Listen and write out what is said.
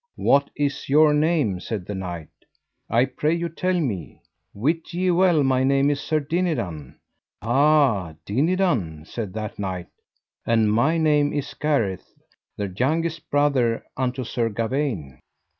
What is your name, said that knight, I pray you tell me. Wit ye well my name is Sir Dinadan. Ah, Dinadan, said that knight, and my name is Gareth, the youngest brother unto Sir Gawaine.